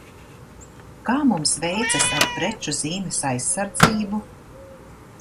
Kā mums veicas ar preču zīmes aizsardzību?